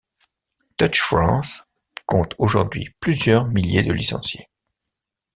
Touch France compte aujourd’hui plusieurs milliers de licenciés.